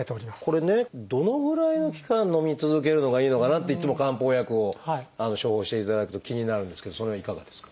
これねどのぐらいの期間のみ続けるのがいいのかなっていつも漢方薬を処方していただくと気になるんですけどそれはいかがですか？